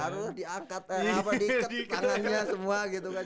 harus diangkat diikat tangannya semua gitu kan